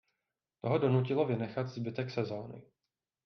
To ho donutilo vynechat zbytek sezóny.